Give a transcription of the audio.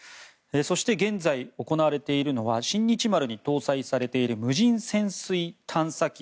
そして現在、行われているのは「新日丸」に搭載されている無人潜水探査機